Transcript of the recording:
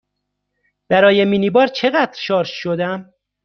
برای مینی بار چقدر شارژ شدم؟